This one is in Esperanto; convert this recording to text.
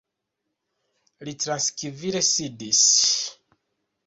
Li trankvile sidis.